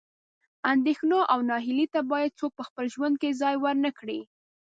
اندېښنو او نهیلۍ ته باید څوک په خپل ژوند کې ځای ورنه کړي.